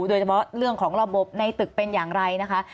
โดยเฉพาะเรื่องของระบบในตึกเป็นอย่างไรนะคะ